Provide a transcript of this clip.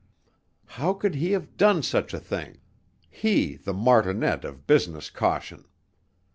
How could he have done such a thing he the martinet of business caution?